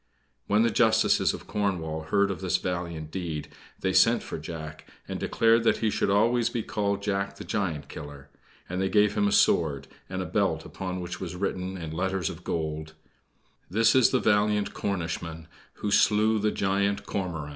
When the Justices of Cornwall heard of this valiant deed, they sent for Jack, and declared that he should always be called Jack the Giant Killer; and they gave him a sword, and a belt upon which was written, in letters of gold: "This is the valiant Cornishman Who slew the giant Cormoran."